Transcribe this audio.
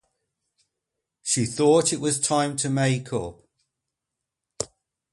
She thought it was time to make up.